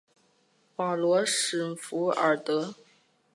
瓦罗什弗尔德。